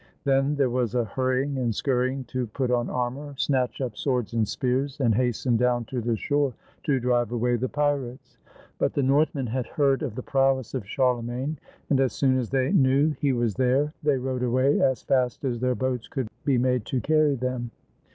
Then there was a hurrying and scurr3dng to put on armor, snatch up swords and spears, and hasten down to the shore to drive away the pirates. But the Northmen had heard of the prowess of Charlemagne, and as soon as they knew he was there they rowed away as fast as their boats could be made to carry them.